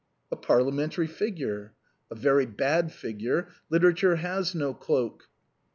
"A Parliamentary figure." "A very bad figure ; literature has no cloak